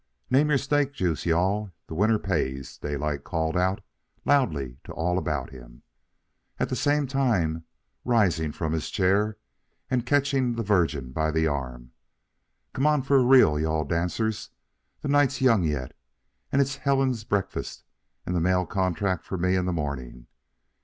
"Name your snake juice, you all the winner pays!" Daylight called out loudly to all about him, at the same time rising from his chair and catching the Virgin by the arm. "Come on for a reel, you all dancers. The night's young yet, and it's Helen Breakfast and the mail contract for me in the morning.